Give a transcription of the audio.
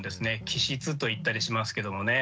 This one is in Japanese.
気質と言ったりしますけどもね。